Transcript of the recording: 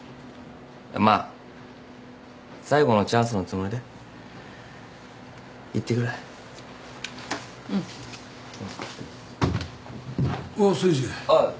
まあ最後のチャンスのつもりで行ってくらあ。